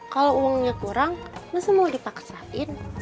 kalau uangnya kurang masa mau dipaksain